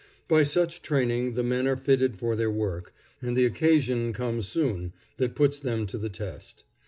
By such training the men are fitted for their work, and the occasion comes soon that puts them to the test.